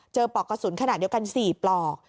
ปลอกกระสุนขนาดเดียวกัน๔ปลอก